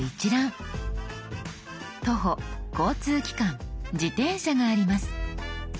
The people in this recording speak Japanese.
「徒歩」「交通機関」「自転車」があります。